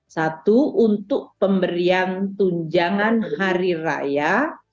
satu untuk pemberian tunjangan hari raya